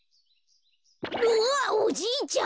うわっおじいちゃん！？